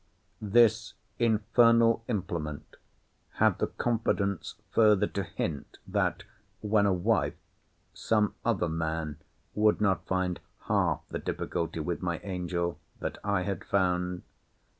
This infernal implement had the confidence further to hint, that when a wife, some other man would not find half the difficulty with my angel that I had found.